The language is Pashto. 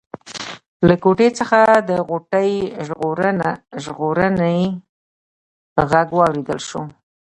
له کوټې څخه د غوټۍ ژړغونی غږ واورېدل شو.